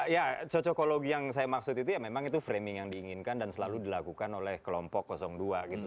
ya cocokologi yang saya maksud itu ya memang itu framing yang diinginkan dan selalu dilakukan oleh kelompok dua gitu